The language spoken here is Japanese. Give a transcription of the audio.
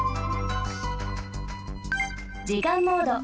じかんモード。